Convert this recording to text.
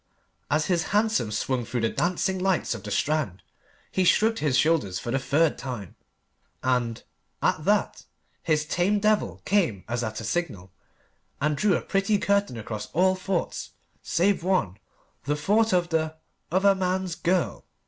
As his hansom swung through the dancing lights of the Strand, he shrugged his shoulders for the third time. And, at that, his tame devil came as at a signal, and drew a pretty curtain across all thoughts save one the thought of the "other man's girl."